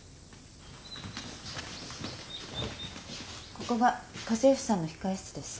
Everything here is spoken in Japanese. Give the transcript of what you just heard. ここが家政婦さんの控え室です。